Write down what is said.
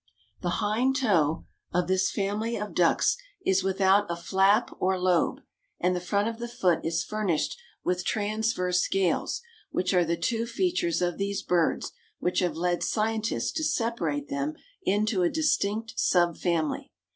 The hind toe of this family of ducks is without a flap or lobe, and the front of the foot is furnished with transverse scales, which are the two features of these birds which have led scientists to separate them into a distinct sub family.